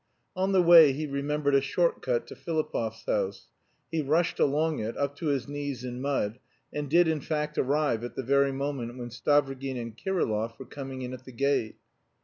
On the way he remembered a short cut to Filipov's house. He rushed along it, up to his knees in mud, and did in fact arrive at the very moment when Stavrogin and Kirillov were coming in at the gate.